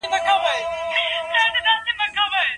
دفاع وزارت نظامي اډه نه جوړوي.